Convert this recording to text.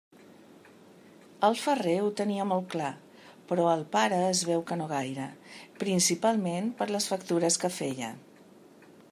El ferrer ho tenia molt clar, però el pare es veu que no gaire, principalment per les factures que feia.